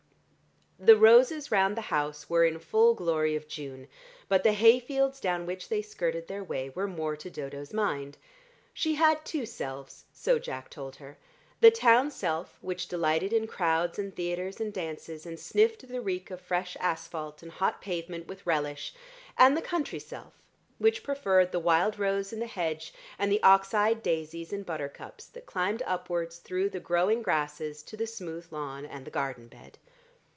The roses round the house were in full glory of June, but the hay fields down which they skirted their way were more to Dodo's mind. She had two selves, so Jack told her, the town self which delighted in crowds and theatres and dances and sniffed the reek of fresh asphalt and hot pavement with relish, and the country self which preferred the wild rose in the hedge and the ox eyed daisies and buttercups that climbed upwards through the growing grasses to the smooth lawn and the garden bed.